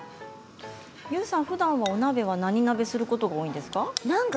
ＹＯＵさん、ふだんは何鍋をすることが多いんですか？